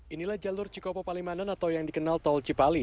inilah jalur cikopo palimanan atau yang dikenal tol cipali